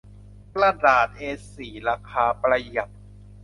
กระดาษเอสี่ราคาประหยัด